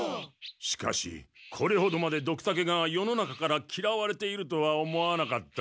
しかしこれほどまでドクタケが世の中からきらわれているとは思わなかった。